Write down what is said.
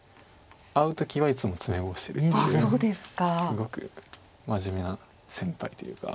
会う時はいつも詰碁をしてるっていうすごく真面目な先輩というか。